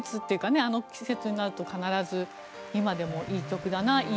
あの季節になると必ず今でもいい曲だないい